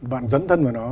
bạn dẫn thân vào nó